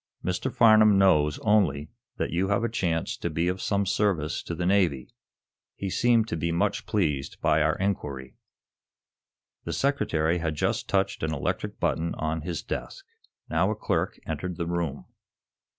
"Mr. Farnum knows, only, that you have a chance to be of some service to the Navy. He seemed to be much pleased by our inquiry." The Secretary had just touched an electric button on his desk. Now a clerk entered the room.